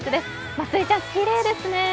まつりちゃん、きれいですね。